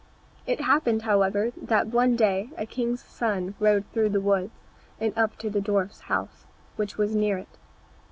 It happened, however, that one day a king's son rode through the wood and up to the dwarfs' house, which was near it.